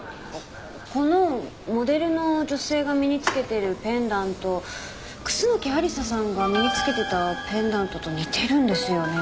このモデルの女性が身に着けているペンダント楠木亜理紗さんが身に着けてたペンダントと似てるんですよね。